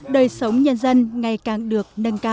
đời sống nhân dân ngày càng được nâng cao